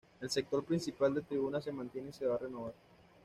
El sector principal de tribunas se mantiene y se va a renovar.